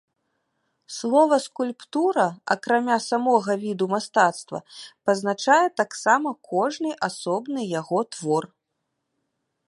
Слова скульптура, акрамя самога віду мастацтва, пазначае таксама кожны асобны яго твор.